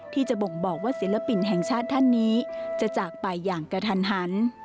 ที่จะบ่งบอกว่าศิลปินแห่งชาติท่านนี้จะจากไปอย่างกระทันหัน